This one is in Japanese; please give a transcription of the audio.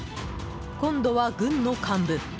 今度は軍の幹部。